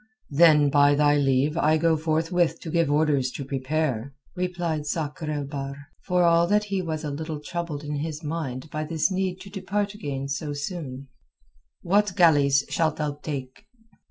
"Then by thy leave I go forthwith to give orders to prepare," replied Sakr el Bahr, for all that he was a little troubled in his mind by this need to depart again so soon. "What galleys shalt thou take?"